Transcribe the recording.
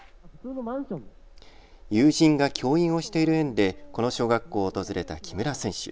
友人が教員をしている縁でこの小学校を訪れた木村選手。